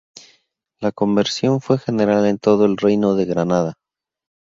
La conversión fue general en todo el Reino de Granada.